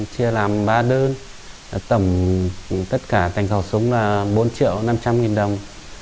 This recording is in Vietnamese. chia làm ba đơn tầm tất cả thành khẩu súng là bốn triệu năm trăm linh nghìn đồng